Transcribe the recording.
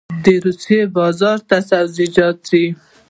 د روسیې بازار ته سبزیجات ځي